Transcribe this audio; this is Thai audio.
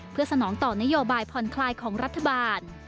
เพื่อสนองต่อนโยบายผ่อนคลายของรัฐบาล